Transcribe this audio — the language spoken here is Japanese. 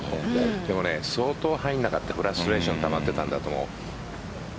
でも、相当入らなかったフラストレーションがたまっていたんだと思う。